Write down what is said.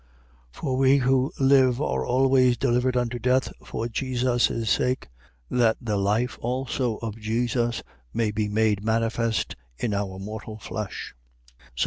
4:11. For we who live are always delivered unto death for Jesus' sake: that the life also of Jesus may be made manifest in our mortal flesh.